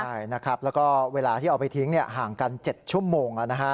ใช่นะครับแล้วก็เวลาที่เอาไปทิ้งห่างกัน๗ชั่วโมง